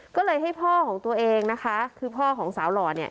ก็เลยให้พ่อของตัวเองนะคะคือพ่อของสาวหล่อเนี่ย